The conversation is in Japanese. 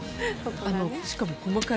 しかも細かい。